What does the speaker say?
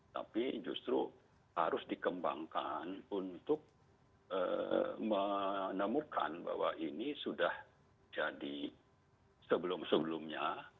tapi justru harus dikembangkan untuk menemukan bahwa ini sudah jadi sebelum sebelumnya